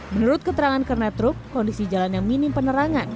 menurut keterangan kernet truk kondisi jalan yang minim penerangan